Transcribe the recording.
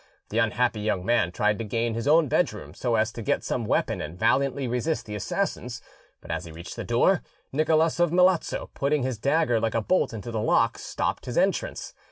The unhappy young man tried to gain his own bedroom, so as to get some weapon and valiantly resist the assassins; but as he reached the door, Nicholas of Melazzo, putting his dagger like a bolt into the lock, stopped his entrance.